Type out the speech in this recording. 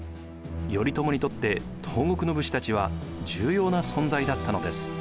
頼朝にとって東国の武士たちは重要な存在だったのです。